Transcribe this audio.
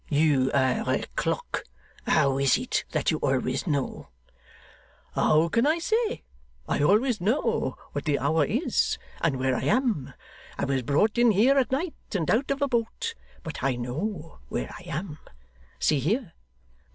'You are a clock. How is it that you always know?' 'How can I say? I always know what the hour is, and where I am. I was brought in here at night, and out of a boat, but I know where I am. See here!